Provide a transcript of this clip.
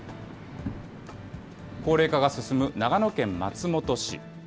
高齢化が進む長野県松本市。